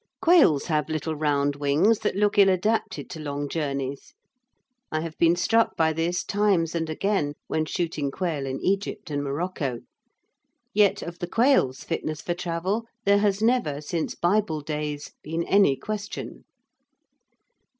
Quails have little round wings that look ill adapted to long journeys. I have been struck by this times and again when shooting quail in Egypt and Morocco, yet of the quail's fitness for travel there has never, since Bible days, been any question.